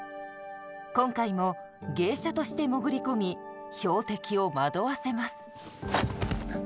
今回も芸者として潜り込み標的を惑わせます。